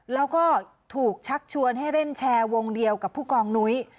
แล้วก็ถูกชักชวนให้เล่นแชร์วงเดียวกับผู้กองนุ้ย